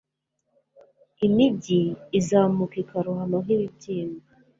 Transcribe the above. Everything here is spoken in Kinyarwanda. Imijyi izamuka ikarohama nkibibyimba